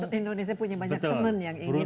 karena kita punya banyak teman yang ingin membantu